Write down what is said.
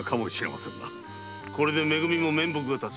これでめ組の面目も立つ。